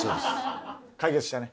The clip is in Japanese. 解決したね。